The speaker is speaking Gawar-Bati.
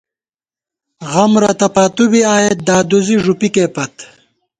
غم رتہ پاتُو بی آئېت ، دادُوزی ݫُوپِکے پت